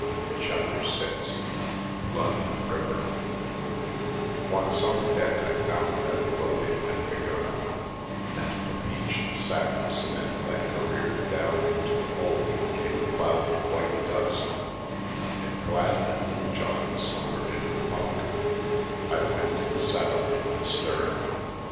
CHAPTER VI LONDON RIVER ONCE on deck I found that the loading had begun, and from each sack of cement that careered down into the hold came a cloud of white dust, and, glad that Littlejohn slumbered in her bunk, I went and sat up in the stern.